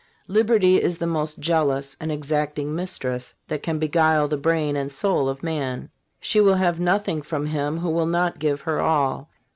Liberty is the most jealous and exacting mistress that can beguile the brain and soul of man. She will have nothing from him who will not give her all.